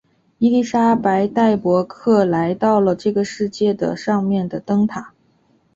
伊丽莎白带伯克来到了这个世界的上面和灯塔。